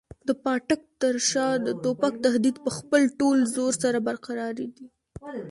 د پاټک تر شا د توپک تهدید په خپل ټول زور سره برقراره دی.